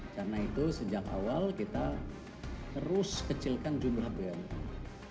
karena itu sejak awal kita terus kecilkan jumlah bumn